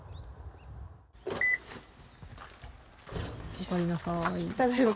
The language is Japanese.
おかえりなさい。